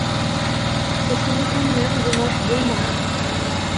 Кешенеке менән йомарт булма.